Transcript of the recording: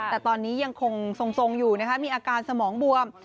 แต่ตอนนี้ยังคงทรงอยู่นะคะมีอาการสมองบวม